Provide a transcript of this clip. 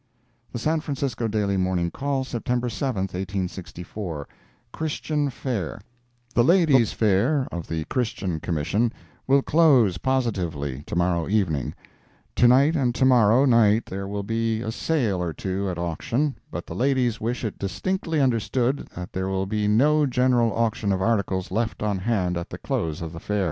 The San Francisco Daily Morning Call, September 7, 1864 CHRISTIAN FAIR The Ladies' Fair of the Christian Commission will close positively tomorrow evening; to night and to morrow night there will be a sale or two at auction, but the ladies wish it distinctly understood that there will be no general auction of articles left on hand at the close of the Fair.